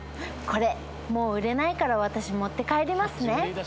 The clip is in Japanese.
これもう売れないから私持って帰りますね。